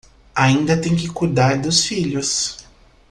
Ainda tem que cuidar dos filhos